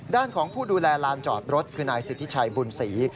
ด้านของผู้ดูแลลานจอดรถคือนายสิทธิชัยบุญศรี